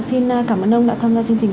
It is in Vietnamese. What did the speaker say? xin cảm ơn ông đã tham gia chương trình